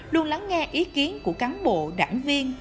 luôn lắng nghe ý kiến của cán bộ đảng viên